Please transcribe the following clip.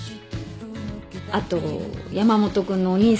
あと山本君のお兄さんたちも。